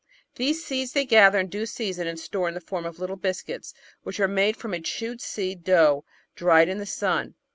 These seeds they gather in due season, and store in the form of little biscuits which are made from a chewed seed dough dried in the sun.